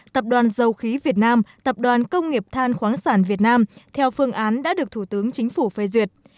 tập đoàn dầu khí việt nam tập đoàn công nghiệp than khoáng sản việt nam theo phương án đã được thủ tướng chính phủ phê duyệt